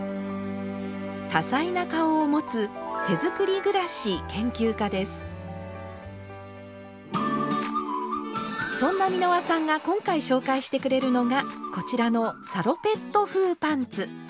多彩な顔をもつそんな美濃羽さんが今回紹介してくれるのがこちらのサロペット風パンツ。